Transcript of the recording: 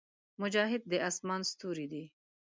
مجاهد د اسمان ستوری دی.